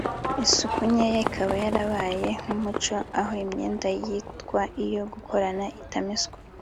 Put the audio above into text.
isuku nkeya ikaba yarabaye nk’umuco aho imyenda yitwa iyo gukorana itameswa